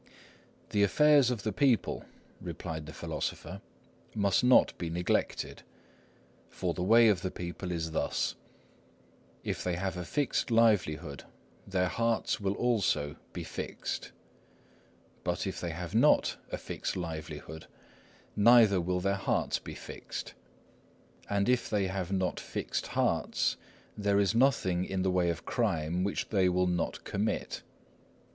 "The affairs of the people," replied the philosopher, "must not be neglected. For the way of the people is thus: If they have a fixed livelihood, their hearts will also be fixed; but if they have not a fixed livelihood, neither will their hearts be fixed. And if they have not fixed hearts, there is nothing in the way of crime which they will not commit.